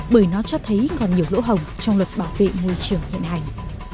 bởi nó cho thấy còn nhiều lỗ hồng trong luật bảo vệ môi trường hiện hành